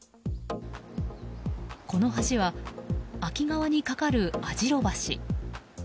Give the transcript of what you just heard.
この橋は秋川に架かる網代橋。